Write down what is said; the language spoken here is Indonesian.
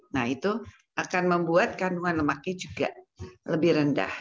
nah itu akan membuat kandungan lemaknya juga lebih rendah